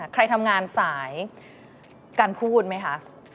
ใครทำงานสายการพูดไหมคะ